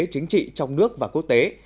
chính trị trong nước và quốc tế